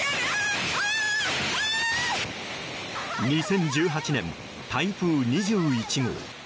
２０１８年、台風２１号。